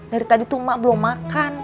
dari tadi tuh mak belum makan